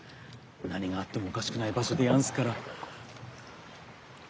何があってもおかしくない場所でやんすから。